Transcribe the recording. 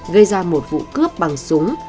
gây ra một vụ cướp bằng súng